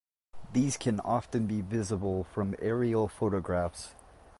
These can often be visible from aerial photographs.